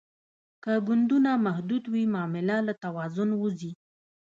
که ګوندونه محدود وي معامله له توازن وځي